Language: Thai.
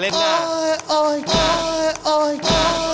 ไสต่าง